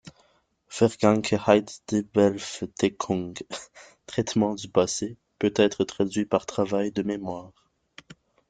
Vergangenheitsbewältigung, traitement du passé, peut être traduit par travail de mémoire.